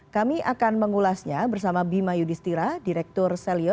kami akan mengulasnya bersama bima yudhistira direktur selyo